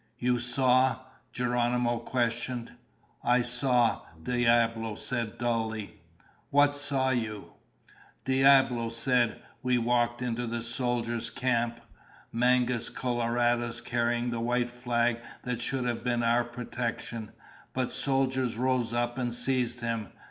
"You saw?" Geronimo questioned. "I saw," Diablo said dully. "What saw you?" Diablo said, "We walked into the soldiers' camp. Mangus Coloradus carried the white flag that should have been our protection, but soldiers rose up and seized him.